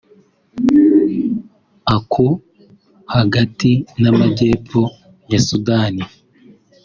ako hagati n’Amajyepfo ya Sudani